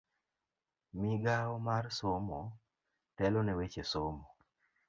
Migao mar somo telo ne weche somo.